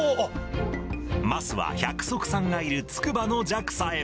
桝は百束さんがいるつくばのＪＡＸＡへ。